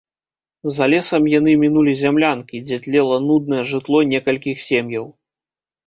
За лесам яны мінулі зямлянкі, дзе тлела нуднае жытло некалькіх сем'яў.